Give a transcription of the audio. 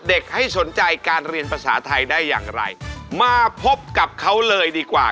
เอาล่ะให้ครูวุ้นแนะนำตัวนิดหนึ่งก่อน